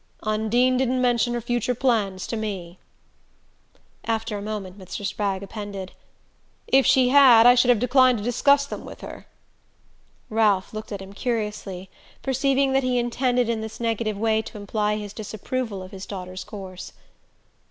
"Undine didn't mention her future plans to me." After a moment Mr. Spragg appended: "If she had, I should have declined to discuss them with her." Ralph looked at him curiously, perceiving that he intended in this negative way to imply his disapproval of his daughter's course.